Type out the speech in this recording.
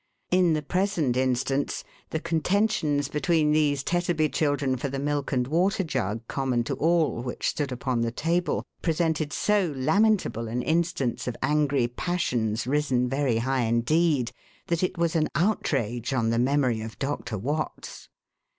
In the present instance, the contentions between these Tetterby children for the milk and water jug, common to all, which stood upon the table, presented so lamentable an instance of angry passions risen very high indeed, that it was an outrage on the memory of Doctor Watts.